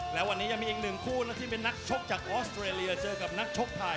และวันนี้ยังมีอีกหนึ่งคู่นะที่เป็นนักชกจากออสเตรเลียเจอกับนักชกไทย